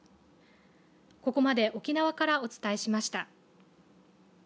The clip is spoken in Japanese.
ここまで沖縄からお伝えしました。